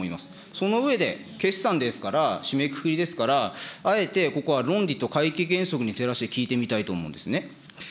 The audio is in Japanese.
その上で、決算ですから、締めくくりですから、あえてここは論理と会計原則に照らして聞いてみたいんですね。